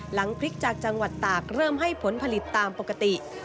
พริกจากจังหวัดตากเริ่มให้ผลผลิตตามปกติ